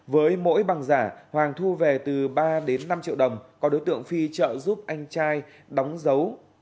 với mỗi bằng giả hoàng thu về từ ba đến năm triệu đồng có đối tượng phi trợ giúp anh trai đóng dấu